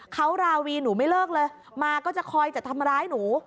เขาราวีหนูไม่เลิกเลยมาก็จะคอยจะทำร้ายหนู